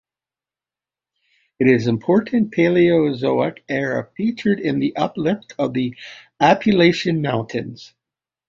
It is an important Paleozoic era feature in the uplift of the Appalachian Mountains.